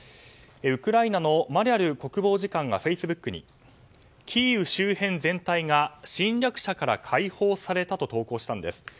ウクライナのマリャル国防次官がフェイスブックにキーウ周辺全体が侵略者から解放されたと投稿したんです。